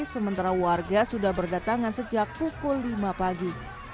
sementara warga sudah berdatangan sejak pukul lima pagi